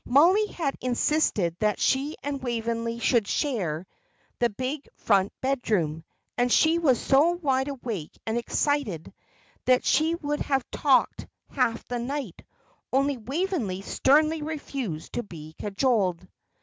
Mollie had insisted that she and Waveney should share the big front bedroom; and she was so wide awake and excited that she would have talked half the night, only Waveney sternly refused to be cajoled.